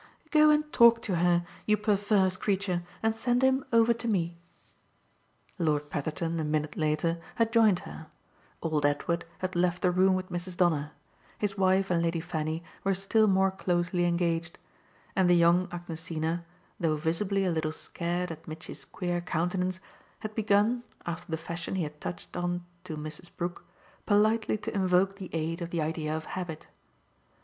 "Go and talk to her, you perverse creature, and send him over to me." Lord Petherton, a minute later, had joined her; old Edward had left the room with Mrs. Donner; his wife and Lady Fanny were still more closely engaged; and the young Agnesina, though visibly a little scared at Mitchy's queer countenance, had begun, after the fashion he had touched on to Mrs. Brook, politely to invoke the aid of the idea of habit.